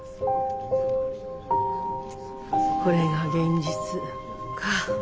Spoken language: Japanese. これが現実か。